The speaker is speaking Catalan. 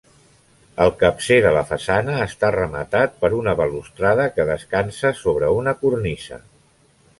El capcer de la façana està rematat per una balustrada que descansa sobre una cornisa.